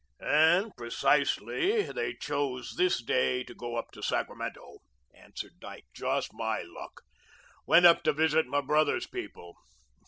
"And precisely they choose this day to go up to Sacramento," answered Dyke. "Just my luck. Went up to visit my brother's people.